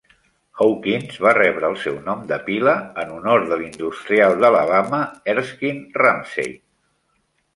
Hawkins va rebre el seu nom de pila en honor de l'industrial d'Alabama Erskine Ramsay.